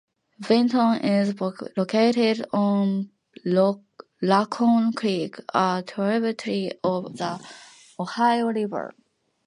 Vinton is located on Raccoon Creek, a tributary of the Ohio River.